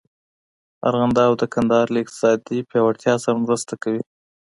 ارغنداب د کندهار له اقتصادي پیاوړتیا سره مرسته کوي.